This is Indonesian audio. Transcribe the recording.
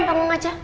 ngapain bangun aja